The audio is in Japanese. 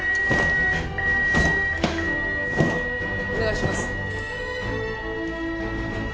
お願いします。